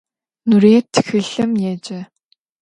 Nurıêt txılhım yêce.